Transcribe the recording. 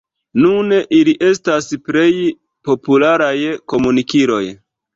Nun ili estas plej popularaj komunikiloj.